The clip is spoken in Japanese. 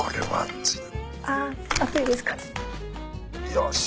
よし。